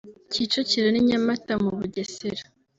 Kicukiro n’i Nyamata mu Bugesera